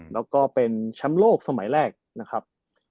และก็เป็นชำโลกสมัยแรกนะครับ